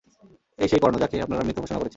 এই সেই কর্ণ যাকে আপনারা মৃত ঘোষণা করেছেন।